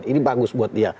ini bagus buat dia